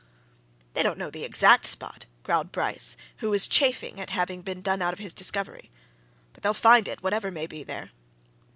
"They don't know the exact spot," growled Bryce, who was chafing at having been done out of his discovery. "But, they'll find it, whatever may be there."